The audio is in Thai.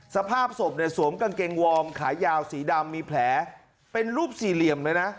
สภาพศพเนี่ยสวมกางเกงวอร์มขายาวสีดำมีแผลเป็นรูปสี่เหลี่ยมเลยนะ